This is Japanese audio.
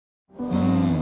うん。